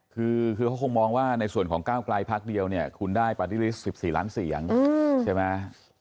คือเขาคงมองว่าในส่วนของก้าวไกลพักเดียวเนี่ยคุณได้ปาร์ตี้ลิสต์๑๔ล้านเสียงใช่ไหม